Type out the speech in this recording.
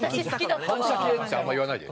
「反社系」ってあんま言わないで。